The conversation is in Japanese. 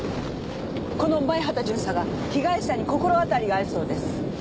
この前畑巡査が被害者に心当たりがあるそうです。